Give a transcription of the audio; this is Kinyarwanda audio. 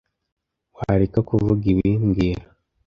Wareka kuvuga ibi mbwira